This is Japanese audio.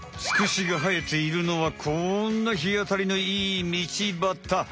ツクシが生えているのはこんな日あたりのいい道ばた。